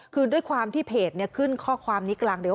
คือด้วยความที่เพจขึ้นข้อความนี้กลางเดียว